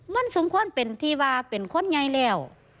มันสมควรทีวาเป็นคนใหญ่แล้ว